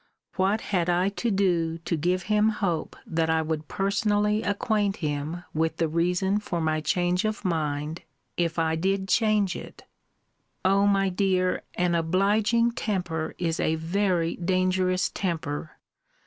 what had I to do to give him hope that I would personally acquaint him with the reason for my change of mind, if I did change it? O my dear! an obliging temper is a very dangerous temper!